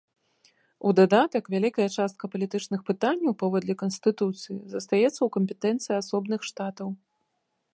У дадатак, вялікая частка палітычных пытанняў, паводле канстытуцыі, застаецца ў кампетэнцыі асобных штатаў.